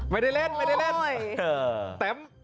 ไม่ได้เล่นแน่นอน